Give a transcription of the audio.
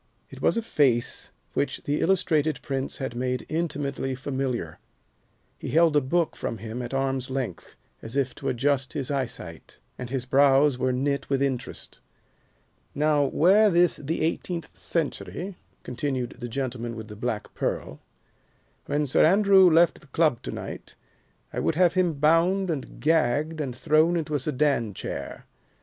It was a face which the illustrated prints had made intimately familiar. He held a book from him at arm's length, as if to adjust his eyesight, and his brows were knit with interest. [Illustration: 03 The men around the table turned] "Now, were this the eighteenth century," continued the gentleman with the black pearl, "when Sir Andrew left the Club to night I would have him bound and gagged and thrown into a sedan chair.